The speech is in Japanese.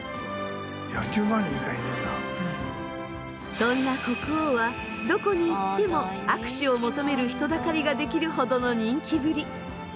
そんな国王はどこに行っても握手を求める人だかりが出来るほどの人気ぶり。